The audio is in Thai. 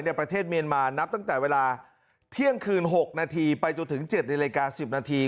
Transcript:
ประเทศเมียนมานับตั้งแต่เวลาเที่ยงคืน๖นาทีไปจนถึง๗นาฬิกา๑๐นาที